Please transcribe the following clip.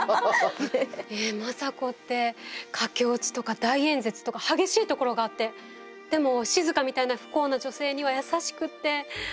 え政子って駆け落ちとか大演説とか激しいところがあってでも静みたいな不幸な女性には優しくって。